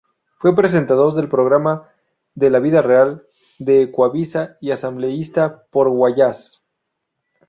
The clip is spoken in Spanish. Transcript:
Fue presentador del programa "De la vida real" de Ecuavisa y asambleísta por Guayas.